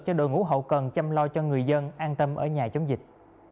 cho đội ngũ hậu cần chăm lo cho người dân an tâm ở nhà chống dịch